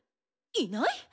いない？